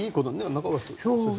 中林先生。